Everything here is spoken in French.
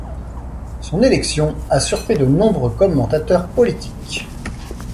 Son élection a surpris de nombreux commentateurs politiques.